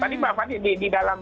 tapi mbak fadli di dalam